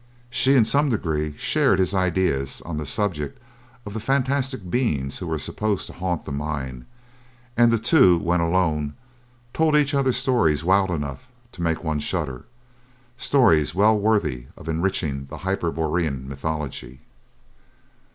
She in some degree shared his ideas on the subject of the fantastic beings who were supposed to haunt the mine, and the two, when alone, told each other stories wild enough to make one shudder—stories well worthy of enriching the hyperborean mythology.